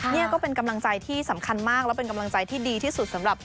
นี่ก็เป็นกำลังใจที่สำคัญมากและเป็นกำลังใจที่ดีที่สุดสำหรับ